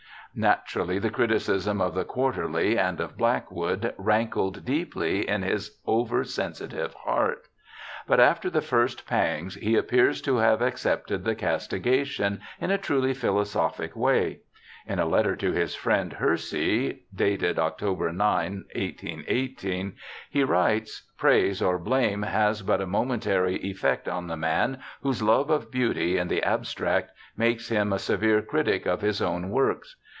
Naturally the criticism of the Quarterly and o{ Black JOHN KEATS 45 wood rankled deeply in his over sensitive heart, but after the first pangs he appears to have accepted the castigation in a truly philosophic way. In a letter to his friend Hersey, dated Oct. 9, 1818, he writes, ' Praise or blame has but a momentary effect on the man whose love of beauty in the abstract makes him a severe critic in his own works.